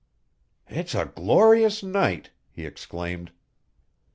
"It's a glorious night!" he exclaimed.